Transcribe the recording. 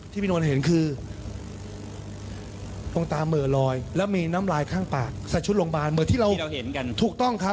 พี่นนท์เห็นคือตรงตามเห่อลอยแล้วมีน้ำลายข้างปากใส่ชุดโรงพยาบาลเหมือนที่เราเห็นกันถูกต้องครับ